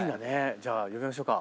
じゃあ呼びましょうか。